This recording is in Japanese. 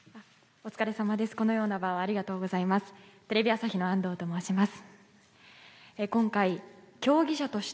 ありがとうございます。